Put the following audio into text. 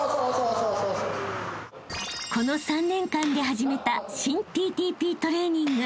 ［この３年間で始めた新ＴＴＰトレーニング］